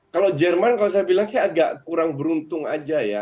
kalau jerman kalau saya bilang sih agak kurang beruntung aja ya